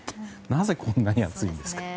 なぜ、こんなに暑いんですか。